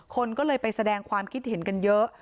คนก็เลยไปแสดงความคิดเห็นกันเยอะ